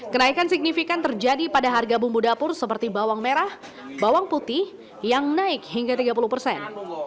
kenaikan signifikan terjadi pada harga bumbu dapur seperti bawang merah bawang putih yang naik hingga tiga puluh persen